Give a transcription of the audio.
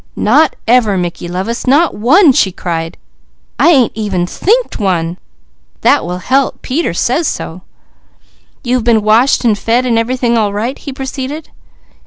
"Not ever Mickey lovest! Not one!" she cried. "I ain't even thinked one! That will help, Peter says so!" "You have been washed and fed and everything all right?" he proceeded.